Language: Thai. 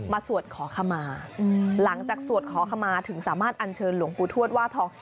สวดขอขมาหลังจากสวดขอขมาถึงสามารถอัญเชิญหลวงปู่ทวดว่าทอง